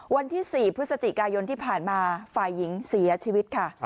วันที่๔พฤศจิกายนที่ผ่านมาฝ่ายหญิงเสียชีวิตค่ะ